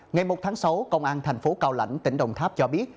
ngày một tháng sáu công an thành phố cao lãnh tỉnh đồng tháp cho biết